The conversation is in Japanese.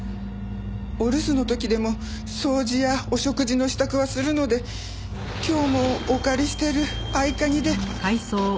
お留守の時でも掃除やお食事の支度はするので今日もお借りしてる合鍵で。